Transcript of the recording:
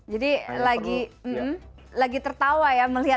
jadi lagi tertawa ya